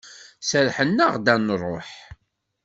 Serrḥen-aɣ-d ad d-nruḥ.